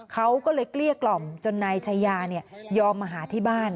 เขาก็เลยเกลี้ยกล่อมจนนายชายายอมมาหาที่บ้าน